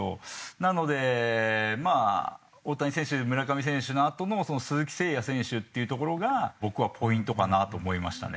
なのでまあ大谷選手村上選手のあとの鈴木誠也選手っていうところが僕はポイントかなと思いましたね。